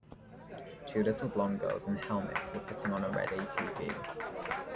Two little blond girls in helmets are sitting on a red ATV.